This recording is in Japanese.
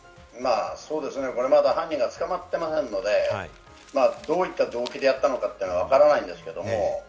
これ、まだ犯人が捕まってませんので、どういった動機であったのか、わからないんですけれども。